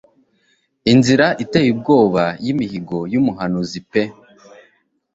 Inzira iteye ubwoba y'imihigo y'umuhanuzi pe